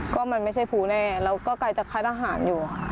ก็มันไม่ใช่พรุแน่แล้วก็ใกล้จากคล้ายอาหารอยู่